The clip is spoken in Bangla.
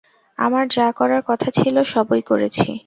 আমার যা করার কথা ছিল সবই করেছি।